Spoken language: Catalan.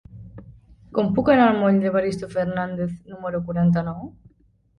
Com puc anar al moll d'Evaristo Fernández número quaranta-nou?